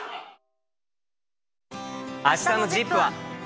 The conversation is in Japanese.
あしたのＺＩＰ！は。